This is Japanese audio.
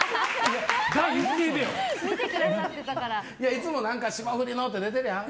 いつも霜降りのって出てるやん。